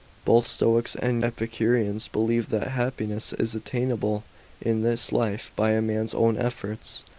Both Stoics and Epicureans believed that happiness is attainable in this life by a man's own efforts.